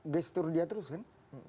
gestur dia terus kan